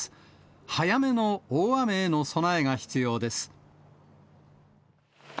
早めの大雨への備えが必要です。